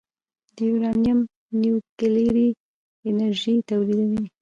د یورانیم نیوکلیري انرژي تولیدوي.